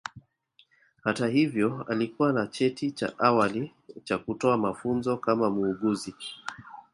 Hata hivyo alikuwa na cheti cha awali cha kutoa mafunzo kama muuguzi